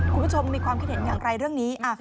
คุณผู้ชมมีความคิดเห็นอย่างไรเรื่องนี้